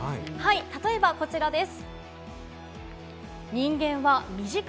例えばこちらです。